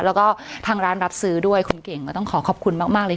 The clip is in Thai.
แล้วก็ทางร้านรับซื้อด้วยคุณเก่งก็ต้องขอขอบคุณมากเลย